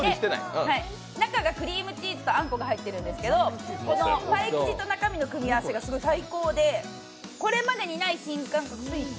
中がクリームチーズとあんこが入っているんですけどパイ生地と中身の組み合わせが最高で、これまでにない新感覚スイーツ。